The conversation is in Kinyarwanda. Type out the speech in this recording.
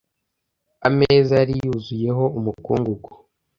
Ameza yari yuzuyeho umukungugu.